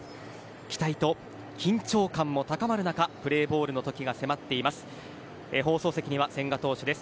期待と緊張感も高まる中プレーボールの時が迫っています。